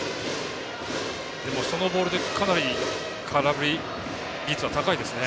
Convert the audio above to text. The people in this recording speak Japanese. でも、そのボールでかなり空振りの率は高いですね。